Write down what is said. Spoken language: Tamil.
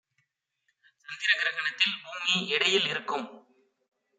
சந்திரகிரகணத்தில் பூமி இடையில் இருக்கும்